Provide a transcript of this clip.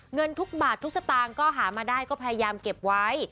เงินทุกบาททุกสตางค์ก็หามาได้ก็พยายามเก็บไว้